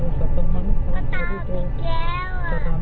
ฮะฮะฮะตามมาอีกแย้ว